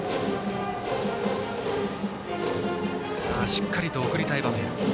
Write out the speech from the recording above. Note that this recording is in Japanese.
しっかりと送りたい場面。